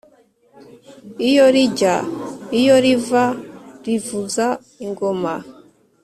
iyo rijya, iyo riva zivuza ingoma,